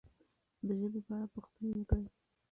د ژبې په اړه پوښتنې وکړئ.